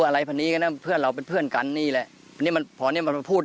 อะไรพันนี้ก็นะเพื่อนเราเป็นเพื่อนกันนี่แหละนี่มันพอเนี้ยมันมาพูด